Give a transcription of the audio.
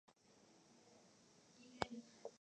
她的生母庄宪皇后王氏。